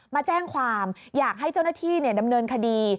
มาแจ้งความอยากให้เจ้าหน้าที่ดำเนินคดี